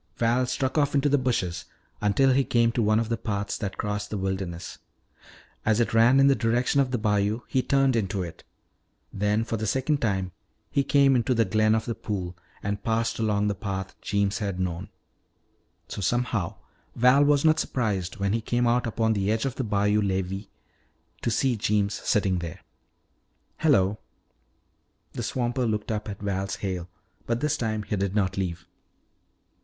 Val struck off into the bushes until he came to one of the paths that crossed the wilderness. As it ran in the direction of the bayou, he turned into it. Then for the second time he came into the glen of the pool and passed along the path Jeems had known. So somehow Val was not surprised, when he came out upon the edge of the bayou levee, to see Jeems sitting there. "Hello!" The swamper looked up at Val's hail but this time he did not leave.